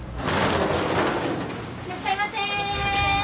いらっしゃいませ！